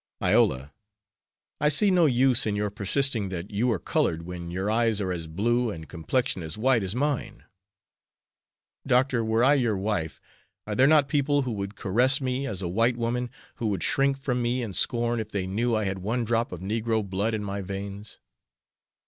"Iola, I see no use in your persisting that you are colored when your eyes are as blue and complexion as white as mine." "Doctor, were I your wife, are there not people who would caress me as a white woman who would shrink from me in scorn if they knew I had one drop of negro blood in my veins?